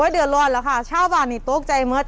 เดือดร้อนแล้วค่ะชาวบ้านนี่ตกใจเมิด